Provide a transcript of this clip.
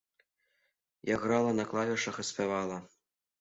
Я грала на клавішах і спявала.